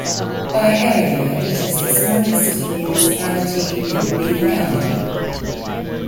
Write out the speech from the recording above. By area, it is the smallest municipality in Beaver County.